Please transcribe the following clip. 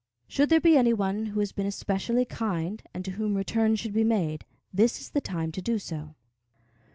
Should there be any one who has been especially kind, and to whom return should be made, this is the time to do so.